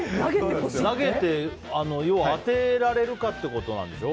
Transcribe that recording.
投げて、要は当てられるかってことなんでしょ。